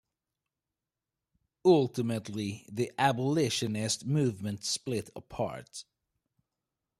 Ultimately, the abolitionist movement split apart.